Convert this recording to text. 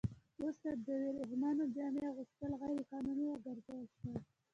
وروسته د ورېښمينو جامو اغوستل غیر قانوني وګرځول شول.